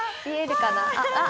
見えるかな。